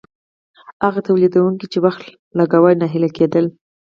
هغه تولیدونکي چې وخت یې لګاوه ناهیلي کیدل.